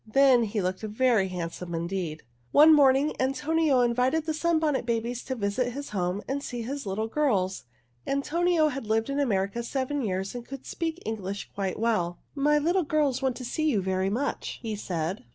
Then he looked very handsome indeed. One morning Antonio invited the Sunbonnet Babies to visit his home and see his little girls. Antonio had lived in America seven years and could speak English quite well. "My little girls want to see you very much," he said.